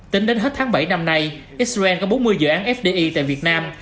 tính đến hết tháng bảy năm nay israel có bốn mươi dự án fdi tại việt nam